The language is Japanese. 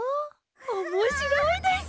おもしろいです！